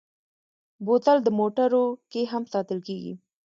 بوتل د موټرو کې هم ساتل کېږي.